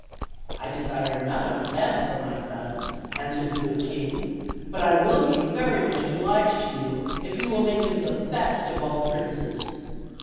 "I desire none of them for my son," answered the good king; "but I will be very much obliged to you if you will make him the best of all princes.